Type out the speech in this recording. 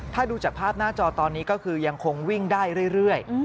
ถ้าดูจากภาพหน้าจอตอนนี้ก็คือยังคงวิ่งได้เรื่อย